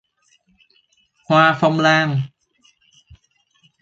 Hoa phong lan